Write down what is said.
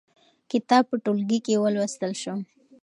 کتاب په ټولګي کې ولوستل شو.